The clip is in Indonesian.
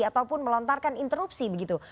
ataupun melontarkan interupsi begitu